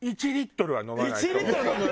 １リットル飲む？